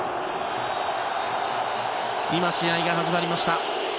今、試合が始まりました。